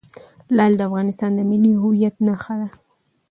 لعل د افغانستان د ملي هویت نښه ده.